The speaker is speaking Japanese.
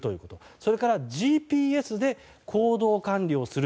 それからＧＰＳで行動管理をする。